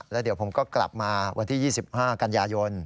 แล้วเดี๋ยวผมก็กลับมาวันที่๒๕กันยายน